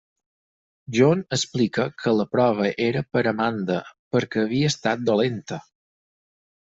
John explica que la prova era per Amanda perquè havia estat dolenta.